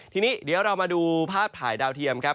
ทีนี้เดี๋ยวเรามาดูภาพถ่ายดาวเทียมครับ